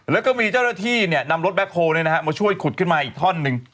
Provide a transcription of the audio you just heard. แล้วก็มีเจ้าหน้าที่นำรถแบ็คโฮลมาช่วยขุดขึ้นมาอีกท่อนหนึ่ง